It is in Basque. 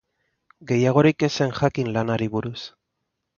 Gehiagorik ez zen jakin lanari buruz.